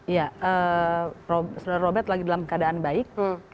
ya sebenarnya robet lagi dalam keadaan baik